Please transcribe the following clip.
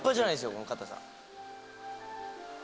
この硬さ。